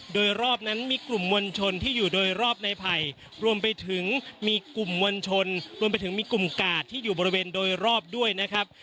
โดยรอบนั้นมีกลุ่มมวลชนที่อยู่โดยรอบในไผ่รวมไปถึงมีกลุ่มมวลชนรวมไปถึงมีกลุ่มกาดที่อยู่บริเวณโดยรอบด้วยนะครับ